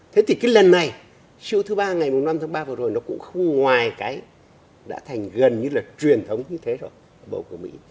thế thì cái lần này siêu thứ ba ngày năm tháng ba vừa rồi nó cũng không ngoài cái đã thành gần như là truyền thống như thế rồi bầu cử mỹ